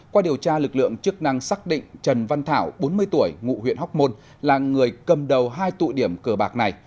qua điều tra lực lượng chức năng xác định trần văn thảo bốn mươi tuổi ngụ huyện hóc môn là người cầm đầu hai tụ điểm cờ bạc này